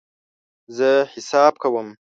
زه حساب کوم